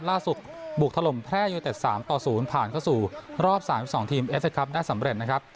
ล่าสุดบุกทะลมแพร่ยูเนยเต็ดสามต่อศูนย์ผ่านเข้าสู่รอบสามสิบสองทีมเอฟเต็กทรัพย์ได้สำเร็จนะครับ